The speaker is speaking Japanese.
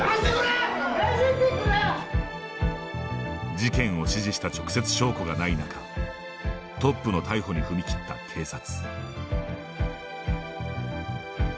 事件を指示した直接証拠がない中トップの逮捕に踏み切った警察。